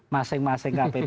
masing masing kpp juga di target